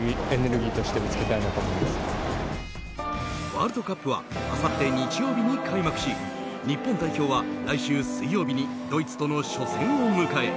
ワールドカップはあさって日曜日に開幕し日本代表は来週水曜日にドイツとの初戦を迎え